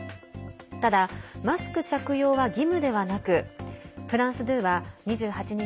ただ、マスク着用は義務ではなくフランス２は２８日